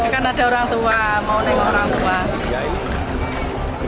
karena ada orang tua mau nengok orang tua